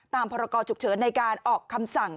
พรกรฉุกเฉินในการออกคำสั่ง